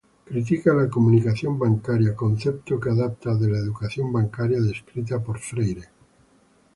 Critica la comunicación bancaria, concepto que adapta de la educación bancaria descrita por Freire.